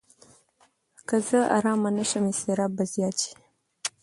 که زه ارامه نه شم، اضطراب به زیات شي.